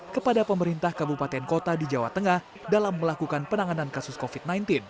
kepada pemerintah kabupaten kota di jawa tengah dalam melakukan penanganan kasus covid sembilan belas